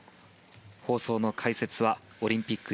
放送の解説はオリンピック